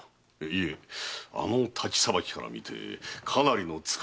いえあの太刀さばきから見てかなりの使い手の武士かと。